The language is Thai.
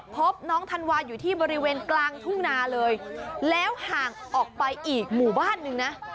พบน้องธันวาอยู่ที่บริเวณกลางทุ่งนาเลยแล้วห่างออกไปอีกหมู่บ้านหนึ่งนะ